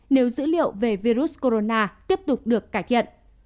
nếu dữ liệu về virus corona tiếp tục được cải thiện